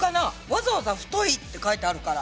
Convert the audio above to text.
わざわざ「太い」って書いてあるから。